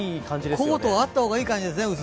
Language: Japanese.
薄手のコート、あった方がいい感じですね。